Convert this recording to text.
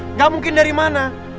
enggak mungkin dari mana